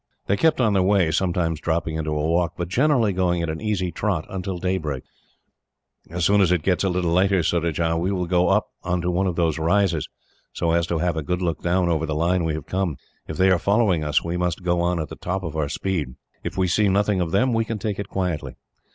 They kept on their way, sometimes dropping into a walk, but generally going at an easy trot, until day broke. "As soon as it gets a little lighter, Surajah, we will go up on to one of these rises, so as to have a good look down over the line we have come. If they are following us, we must go on at the top of our speed. If we see nothing of them, we can take it quietly.